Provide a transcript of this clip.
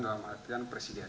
dalam artian presiden